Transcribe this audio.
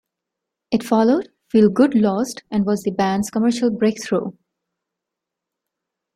It followed "Feel Good Lost", and was the band's commercial breakthrough.